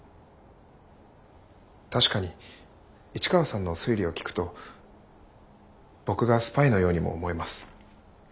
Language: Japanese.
確かに市川さんの推理を聞くと僕がスパイのようにも思えます。